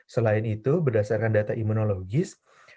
selain itu berdasarkan data imunologis